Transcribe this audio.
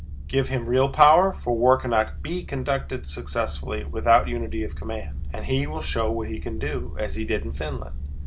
Give him real power, for war cannot be conducted successfully without unity of command, and he will show what he can do, as he did in Finland.